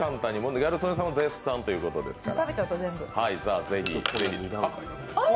ギャル曽根さんは絶賛ということですから。